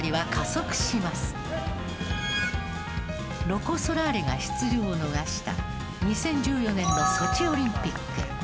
ロコ・ソラーレが出場を逃した２０１４年のソチオリンピック。